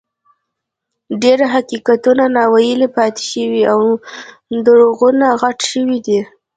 ډېر حقیقتونه ناویلي پاتې شوي او دروغونه غټ شوي دي.